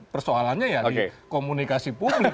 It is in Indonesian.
persoalannya ya di komunikasi publik